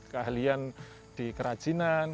keahlian di kerajinan